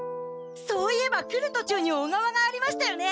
そういえば来るとちゅうに小川がありましたよね！